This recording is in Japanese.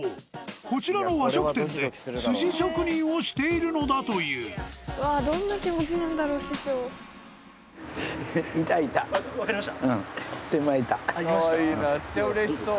こちらの和食店で寿司職人をしているのだというわかりました？